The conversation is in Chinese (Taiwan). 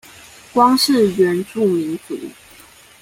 光是原住民族